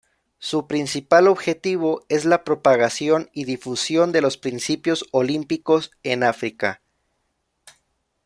Su principal objetivo es la propagación y difusión de los principios olímpicos en África.